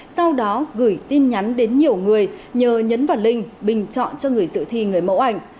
sau đó gửi tin nhắn đến nhiều người nhờ nhấn và linh bình chọn cho người dự thi người mẫu ảnh